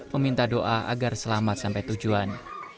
meminta doa agar selamat sampai tujuan